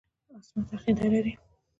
عصمت عقیده لري.